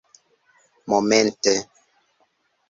momente